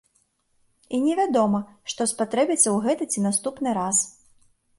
І невядома, што спатрэбіцца ў гэты ці наступны раз.